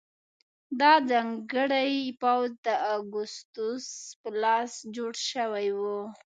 دا ځانګړی پوځ د اګوستوس په لاس جوړ شوی و